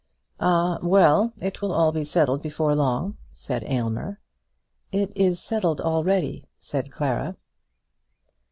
"Ah, well; it will all be settled before long," said Aylmer. "It is settled already," said Clara.